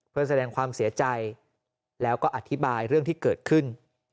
เพื่อแสดงความเสียใจแล้วก็อธิบายเรื่องที่เกิดขึ้น